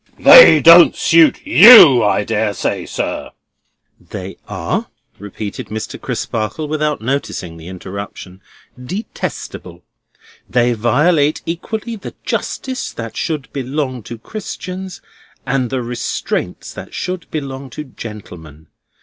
"They don't suit you, I dare say, sir." "They are," repeated Mr. Crisparkle, without noticing the interruption, "detestable. They violate equally the justice that should belong to Christians, and the restraints that should belong to gentlemen.